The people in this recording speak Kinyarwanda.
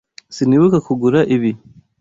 Sinibuka kugura ibi.